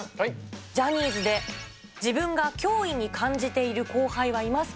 ジャニーズで自分が脅威に感じている後輩はいますか。